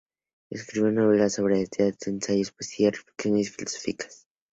Escribió novelas, obras de teatro, ensayos, poesía, y reflexiones filosóficas.